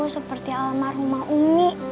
seperti ala marhumah ummi